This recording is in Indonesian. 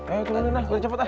ayo tulen lah tulen cepet lah